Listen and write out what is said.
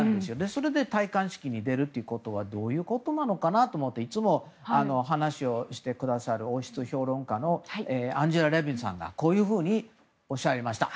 それで戴冠式に出るということはどういうことなのかなと思っていつも話をしてくださる王室評論家のアンジェラ・レビンさんがこうおっしゃいました。